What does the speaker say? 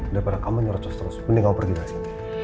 daripada kamu nyuruh terus terus mending aku pergi aja